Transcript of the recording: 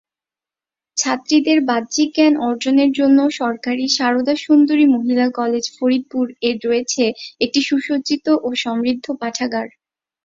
ছাত্রীদের বাহ্যিক জ্ঞান অর্জনের জন্য সরকারি সারদা সুন্দরী মহিলা কলেজ ফরিদপুর এর রয়েছে একটি সুসজ্জিত ও সমৃদ্ধ পাঠাগার।